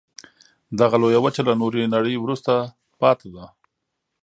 دغه لویه وچه له نورې نړۍ وروسته پاتې ده.